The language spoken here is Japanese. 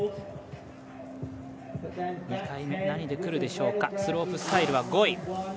２回目、何でくるでしょうかスロープスタイルは５位。